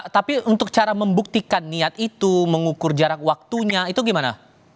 tapi untuk cara membuktikan niat itu mengukur jarak waktunya itu gimana